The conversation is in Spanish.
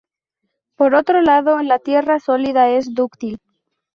Por otro lado, la Tierra sólida es dúctil.